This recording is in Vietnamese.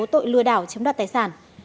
tội lừa đảo chiếm đoạt tài sản